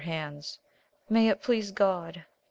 her hands, — may it please God